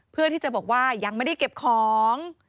เพื่อที่จะบอกว่ายังไม่ได้เก็บของ